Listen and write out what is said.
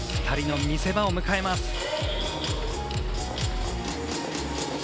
２人の見せ場を迎えます。